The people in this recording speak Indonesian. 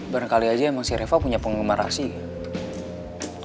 barangkali aja emang si reva punya penggemar rahasia